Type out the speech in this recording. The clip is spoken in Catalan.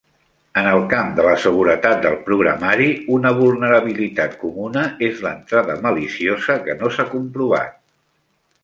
En el camp de la seguretat del programari, una vulnerabilitat comuna és l'entrada maliciosa que no s'ha comprovat.